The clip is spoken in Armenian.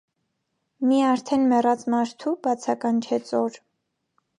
մի արդեն մեռած մարդո՞ւ,- բացականչեց օր.